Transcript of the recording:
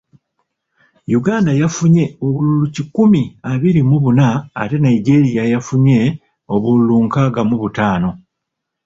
Uganda yafunye obululu kikumi abiri mu buna ate Nigeria yafunye obululu nkaaga mu butaano.